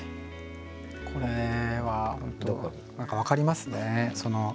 これは本当何か分かりますね。